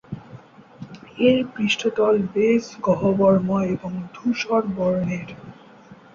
এর পৃষ্ঠতল বেশ গহ্বরময় এবং ধূসর বর্নের।